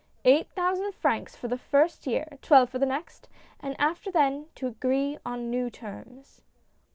" Eight thousand francs for the first year, twelve for for the next, and after then to agree on new terms."